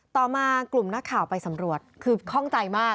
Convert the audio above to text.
ต่อมากลุ่มนักข่าวไปสำรวจคือข้องใจมาก